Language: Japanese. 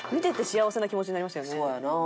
そうやな。